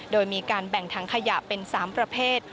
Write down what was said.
โดยมีการแบ่งถังขยะเป็น๓ประเภท